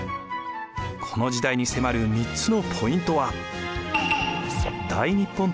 この時代に迫る３つのポイントは。